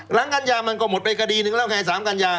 กัญญามันก็หมดไปคดีหนึ่งแล้วไง๓กัญญา